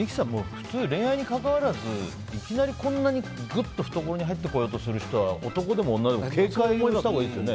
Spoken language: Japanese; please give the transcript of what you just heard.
普通、恋愛に関わらずいきなり懐に入ってこようとする人は男でも女でも警戒したほうがいいですよね。